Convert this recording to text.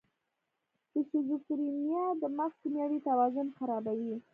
د شیزوفرینیا د مغز کیمیاوي توازن خرابوي.